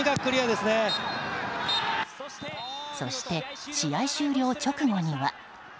そして試合終了直後には。